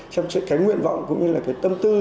trong cái nguyện vọng cũng như là cái tâm tư